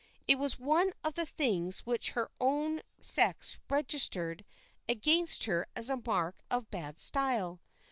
It was one of the things which her own sex registered against her as a mark of bad style.